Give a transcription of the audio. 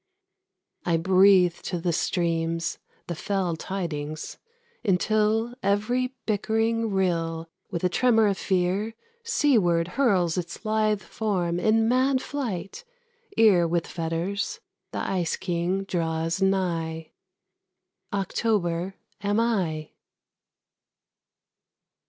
I breathe to the streams the fell tidings, until Every bickering rill, With a tremor of fear, seaward hurls its lithe form In mad flight, ere with fetters the Ice King draws nigh. October am I.